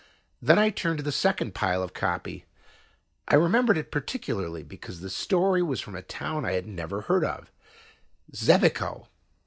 Then I turned to the second pile of copy. I remembered it particularly because the story was from a town I had never heard of: "Xebico."